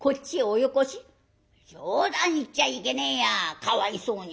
「冗談言っちゃいけねえやかわいそうに。